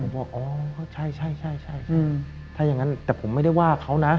ผมบอกอ๋อใช่ถ้าอย่างนั้นแต่ผมไม่ได้ว่าเขานะ